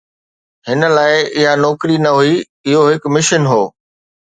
هن لاءِ اها نوڪري نه هئي، اهو هڪ مشن هو.